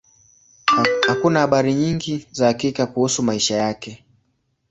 Hakuna habari nyingi za hakika kuhusu maisha yake.